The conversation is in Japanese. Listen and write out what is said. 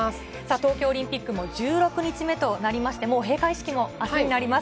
東京オリンピックも１６日目となりまして、もう閉会式も明日になります。